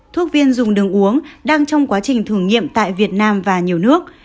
thuốc viên dùng đường uống đang trong quá trình thử nghiệm tại việt nam và nhiều nước